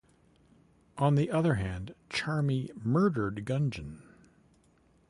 On the other hand Charmy murdered Gunjan.